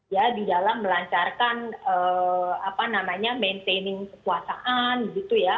ya di dalam melancarkan apa namanya maintaining kekuasaan gitu ya